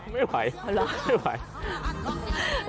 ไม่ไหว